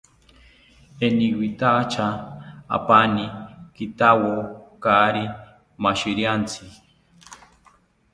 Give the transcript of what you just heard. Eniwitacha apani kintawo kaari mashiriantzi